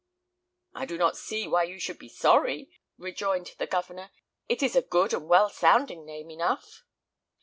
"I do not see why you should be sorry," rejoined the Governor; "it is a good and well sounding name enough."